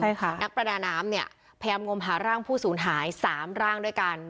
นักประดาน้ำเนี่ยพยายามหาร่างผู้ศูนย์หาย๓ร่างด้วยกัน